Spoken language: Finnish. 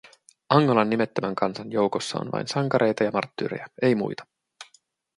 Angolan nimettömän kansan joukossa on vain sankareita ja marttyyreja, ei muita!